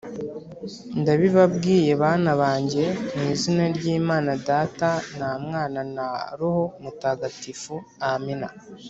ndabibabwiye bana banjye, ku izina ry’imana data na mwana na roho mutagatifu. amina.